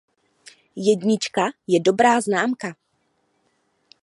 Jednička je dobrá známka.